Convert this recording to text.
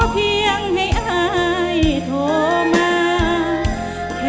เพียงให้อายโทรมา